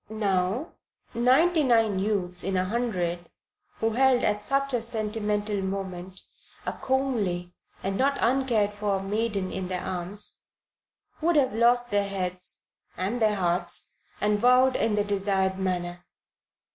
Now, ninety nine youths in a hundred who held, at such a sentimental moment, a comely and not uncared for maiden in their arms, would have lost their heads (and their hearts) and vowed in the desired manner.